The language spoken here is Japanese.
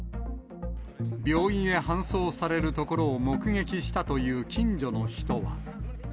病院へ搬送されるところを目撃したという近所の人は。